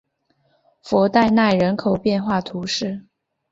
弗代纳人口变化图示